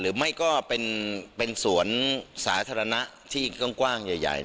หรือไม่ก็เป็นสวนสาธารณะที่กว้างใหญ่